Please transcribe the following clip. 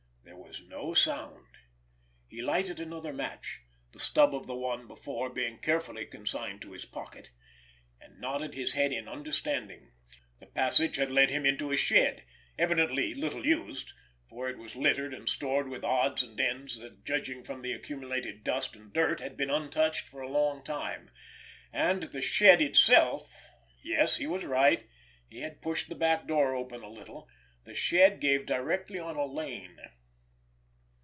There was no sound. He lighted another match—the stub of the one before being carefully consigned to his pocket—and nodded his head in understanding. The passage had led him into a shed, evidently little used, for it was littered and stored with odds and ends that, judging from the accumulated dust and dirt, had been untouched for a long time; and the shed itself—yes, he was right—he had pushed the back door open a little—the shed gave directly on a lane.